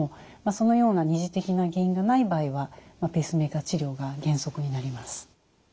そのような二次的な原因がない場合はペースメーカー治療が原則になります。